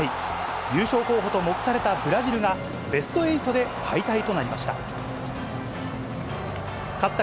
優勝候補と目されたブラジルが、ベスト８で敗退となりました。